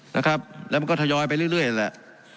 นะครับแล้วมันก็ทยอยไปเรื่อยแหละ